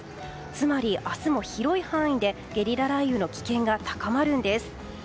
つまり明日も広い範囲でゲリラ雷雨の危険が高まるんです。